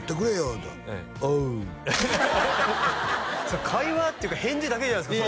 言うたら「おう」会話っていうか返事だけじゃないですか